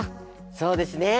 そうですね。